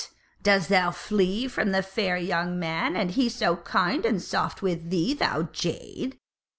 dost thou flee from the fair young man, and he so kind and soft with thee, thou jade?